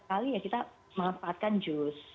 kali ya kita manfaatkan jus